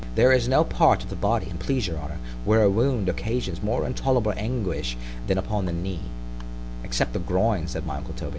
There is no part of the body, an' please your honour, where a wound occasions more intolerable anguish than upon the knee—— Except the groin; said my uncle _Toby.